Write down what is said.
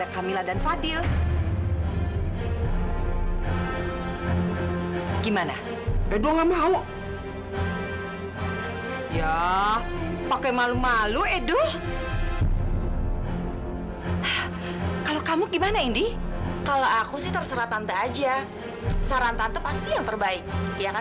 sampai jumpa di video selanjutnya